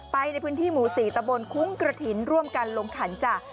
ในพื้นที่หมู่๔ตะบนคุ้งกระถิ่นร่วมกันลงขันจ้ะ